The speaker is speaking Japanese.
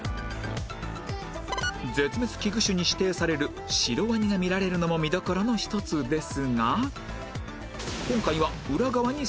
絶滅危惧種に指定されるシロワニが見られるのも見どころの一つですが